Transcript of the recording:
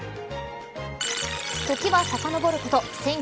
時はさかのぼること